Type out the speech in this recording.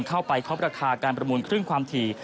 เข้าไปครบราคาการประมูลครึ่งความถี่